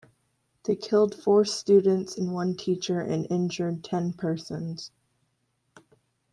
They killed four students and one teacher, and injured ten persons.